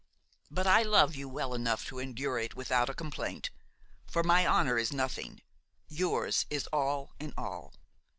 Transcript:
But I love you well enough to endure it without a complaint; for my honor is nothing, yours is all in all.